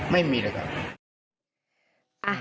ไม่มีเลยครับ